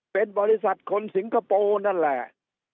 เป็นบริษัทคนสิงคโปร์นั่นแหละ